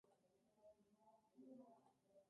Las membranas son negruzcas.